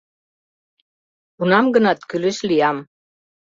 Кунам-гынат кӱлеш лиям.